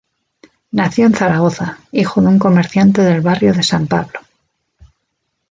Nació en Zaragoza, hijo de un comerciante del Barrio de San Pablo.